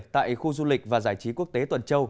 tại khu du lịch và giải trí quốc tế tuần châu